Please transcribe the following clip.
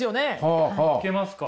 いけますか？